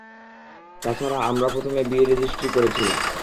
তাছাড়া আমরা প্রথমে বিয়ে রেজিস্ট্রি করেছিলাম।